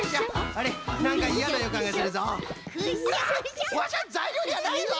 あワシはざいりょうじゃないぞ！